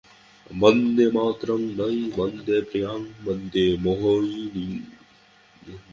বন্দে মাতরং নয় — বন্দে প্রিয়াং, বন্দে মোহিনীং।